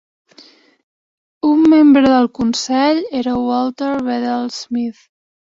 Un membre del consell era Walter Bedell Smith.